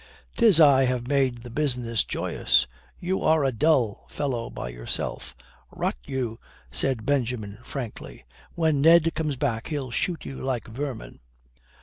"'Tis I have made the business joyous. You are a dull fellow by yourself." "Rot you," said Benjamin frankly. "When Ned comes back he'll shoot you like vermin."